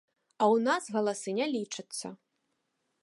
А ў нас галасы не лічацца.